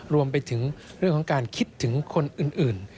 รวมไปถึงเรื่องของการคิดถึงคนอื่น